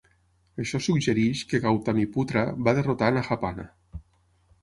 Això suggereix que Gautamiputra va derrotar Nahapana.